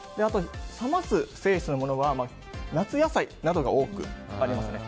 冷ます性質のものは夏野菜などが多くありますね。